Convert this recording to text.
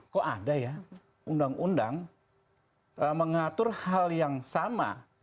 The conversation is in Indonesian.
kok ada ya undang undang mengatur hal yang sama